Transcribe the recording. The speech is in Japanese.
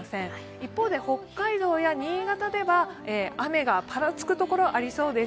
一方で北海道や新潟では雨がぱらつくところがありそうです。